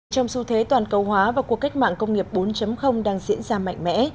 trong xu thế toàn cầu hóa và cuộc cách mạng công nghiệp bốn đang diễn ra mạnh mẽ